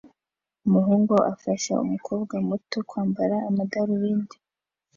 umuhungu afasha umukobwa muto kwambara amadarubindi